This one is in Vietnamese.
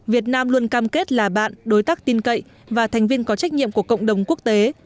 việt nam luôn cam kết là bạn đối tác tin cậy và thành viên có trách nhiệm của cộng đồng quốc tế